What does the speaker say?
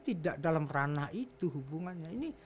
tidak dalam ranah itu hubungannya ini